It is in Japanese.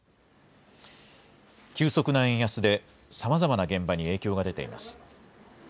急速な円安でさまざまな現場に影響が出ています。